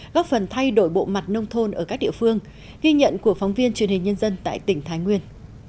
góp phần thay đổi bộ mặt nông thôn ở các địa phương ghi nhận của phóng viên truyền hình nhân dân tại tỉnh thái nguyên